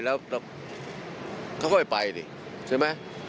แล้วเขาก็ไม่ไปสิใช่ไหม